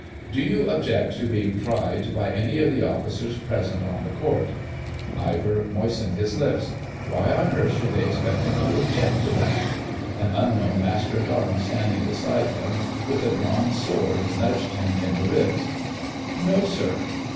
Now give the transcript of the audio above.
"Do you object to being tried by any of the Officers present on the Court?" Ivor moistened his lips; why on earth should they expect him to object to them? An unknown Master at Arms standing beside him with a drawn sword nudged him in the ribs. "No, sir."